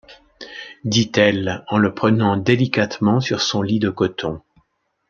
dit-elle en le prenant délicatement sur son lit de coton.